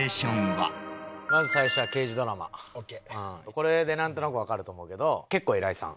これでなんとなくわかると思うけど結構お偉いさん。